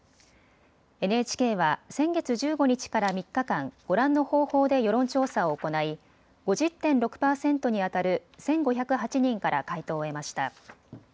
ＮＨＫは先月１５日から３日間、ご覧の方法で世論調査を行い５０．６％にあたる１５０８人から回答を得ました。